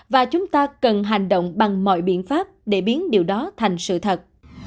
và chúng ta cần hành động bằng mọi biện pháp để biến điều đó thành sự thật